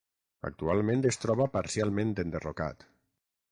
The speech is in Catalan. Actualment es troba parcialment enderrocat.